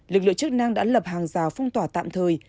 lực lượng chức năng đã lập hàng rào phong tỏa tạm thời